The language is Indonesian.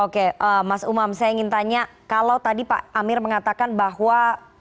oke mas umam saya ingin tanya kalau tadi pak amir mengatakan bahwa